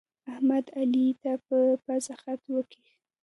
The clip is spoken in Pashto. احمد، علي ته په پزه خط وکيښ.